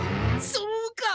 そうか！